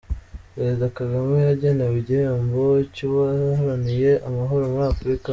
Perezida Kagame yagenewe igihembo cy’uwaharaniye amahoro muri Afurika